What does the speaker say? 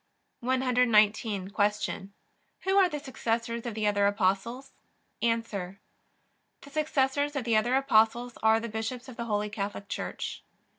119. Q. Who are the successors of the other Apostles? A. The successors of the other Apostles are the bishops of the Holy Catholic Church.